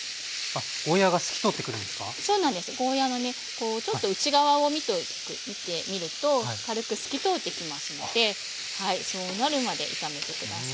こうちょっと内側を見てみると軽く透き通ってきますのではいそうなるまで炒めて下さい。